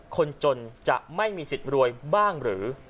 คนจนจะไม่มีสิทธิ์รวยบ้างหรือ